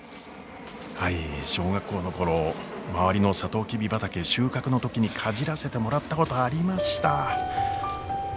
はい小学校の頃周りのサトウキビ畑収穫の時にかじらせてもらったことありました。